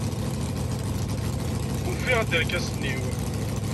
Ufiɣ-d irkasen-iw.